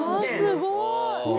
すごいね。